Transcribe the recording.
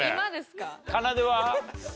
かなでは？